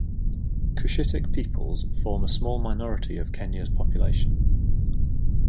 Cushitic peoples form a small minority of Kenya's population.